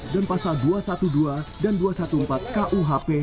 dan pasal dua ratus dua belas dan dua ratus empat belas kuhp